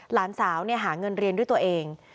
หลานสาวหาเงินเรียนด้วยตัวเอง